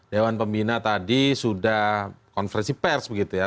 dewan pembina tadi sudah konferensi pers begitu ya